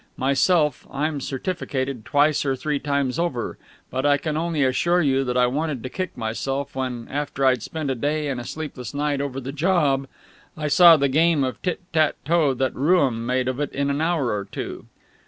Myself, I'm certificated twice or three times over; but I can only assure you that I wanted to kick myself when, after I'd spent a day and a sleepless night over the job, I saw the game of tit tat toe that Rooum made of it in an hour or two.